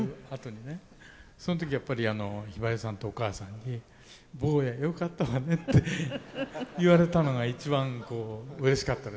その時やっぱりひばりさんとお母さんに「坊やよかったわね」って言われたのが一番うれしかったですね。